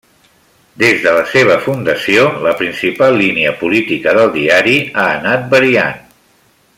Des de la seva fundació, la principal línia política del diari ha anat variant.